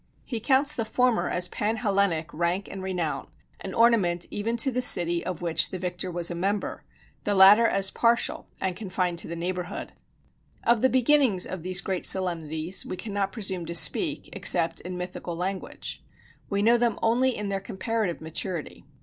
He counts the former as pan Hellenic rank and renown, an ornament even to the city of which the victor was a member the latter as partial and confined to the neighborhood. Of the beginnings of these great solemnities we cannot presume to speak, except in mythical language; we know them only in their comparative maturity.